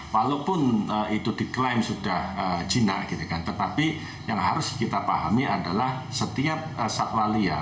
walaupun itu diklaim sudah jinak tetapi yang harus kita pahami adalah setiap satwa liar